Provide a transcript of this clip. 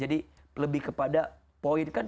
jadi lebih kepada poin kan